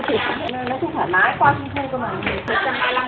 chị lấy em ba trăm linh nghìn một thùng